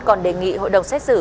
còn đề nghị hội đồng xét xử